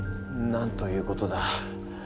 なんということだ。